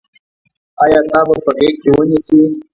آیا تا به په غېږ کې ونیسي.